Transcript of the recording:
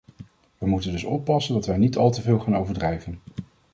Wij moeten dus oppassen dat wij niet al te veel gaan overdrijven.